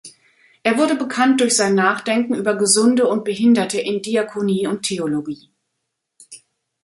Er wurde bekannt durch sein Nachdenken über Gesunde und Behinderte in Diakonie und Theologie.